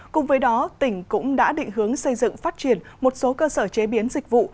cùng với đó tỉnh cũng đã định hướng xây dựng phát triển một số cơ sở chế biến dịch vụ